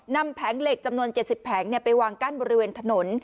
แผงเหล็กจำนวน๗๐แผงไปวางกั้นบริเวณถนน